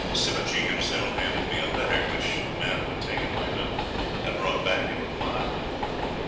Sivajee himself handed me a letter, which the man who had taken my note had brought back in reply.